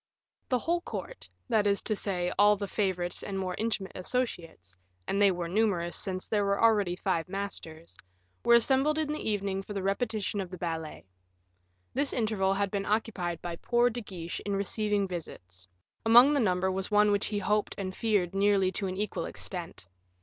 The whole of the court, that is to say, all the favorites and more intimate associates, and they were numerous, since there were already five masters, were assembled in the evening for the repetition of the ballet. This interval had been occupied by poor De Guiche in receiving visits; among the number was one which he hoped and feared nearly to an equal extent.